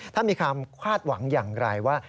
มีความคาดหวังอย่างไรว่า